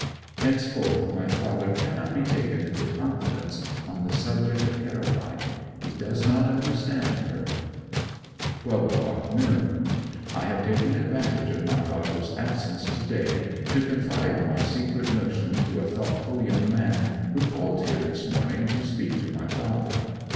Henceforth my father cannot be taken into confidence on the subject of Caroline. He does not understand her. 12 o'clock noon. I have taken advantage of my father's absence to day to confide my secret notion to a thoughtful young man, who called here this morning to speak to my father.